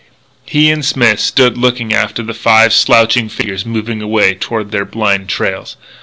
He and Smith stood looking after the five slouching figures moving away toward their blind trails.